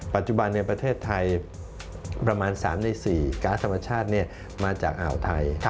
ปัจจุบันในประเทศไทยประมาณ๓ใน๔การ์ดธรรมชาติมาจากอ่าวไทย